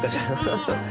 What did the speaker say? ハハハッ。